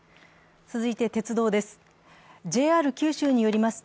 続いて、鉄道です。